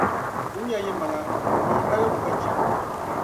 Gum ya yi maŋa, ni yi maligu ka chɛ